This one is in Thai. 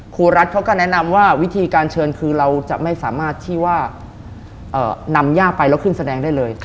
ครูรัฐเขาก็แนะนำว่าวิธีการเชิญคือเราจะไม่สามารถที่ว่านำย่าไปแล้วขึ้นแสดงได้เลย